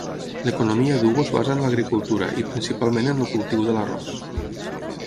L'economia d'Ugo es basa en l'agricultura i principalment en el cultiu de l'arròs.